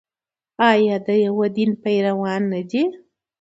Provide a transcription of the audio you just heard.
آیا د یو دین پیروان نه دي؟